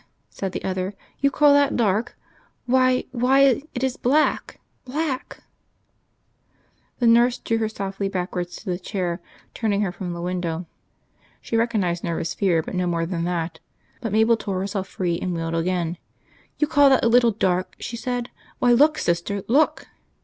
said the other. "You call that dark! Why, why, it is black black!" The nurse drew her softly backwards to the chair, turning her from the window. She recognised nervous fear; but no more than that. But Mabel tore herself free, and wheeled again. "You call that a little dark," she said. "Why, look, sister, look!"